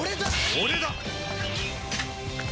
俺だ！